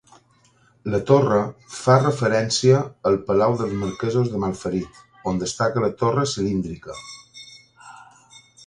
La torre fa referència al palau dels marquesos de Malferit, on destaca la torre cilíndrica.